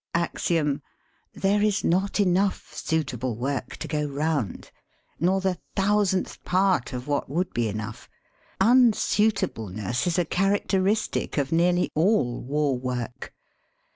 Axiom: There is not enough suitable work to go round, nor the thousandth part of what would be enough. Unsuitableness is a characteristic of nearly all war work.